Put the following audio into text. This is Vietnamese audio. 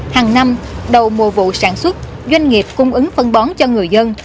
hàng năm đầu mùa vụ sản xuất doanh nghiệp cung ứng phân bón cho người dân